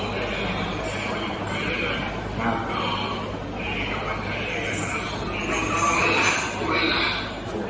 ได้โรงเรียทหารวิธีมากของภรรณา